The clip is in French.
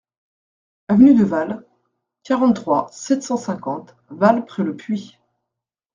Avenue de Vals, quarante-trois, sept cent cinquante Vals-près-le-Puy